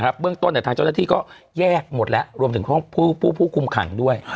เบื้องต้นทางเจ้าหน้าที่ก็แยกหมดแล้วรวมถึงห้องผู้คุมขังด้วย